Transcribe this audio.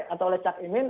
atau oleh cak imin